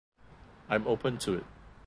I'm open to it.